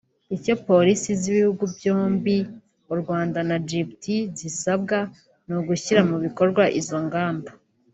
Icyo Polisi z’Ibihugu byombi (U Rwanda na Djibouti) zisabwa ni ugushyira mu bikorwa izo ngamba